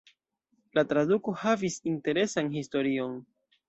La traduko havis interesan historion.